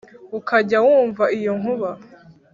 ukajya wumva iyo nkuba